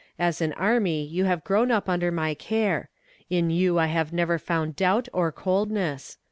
As an army you have grown up under my care. In you I have never found doubt or coldness.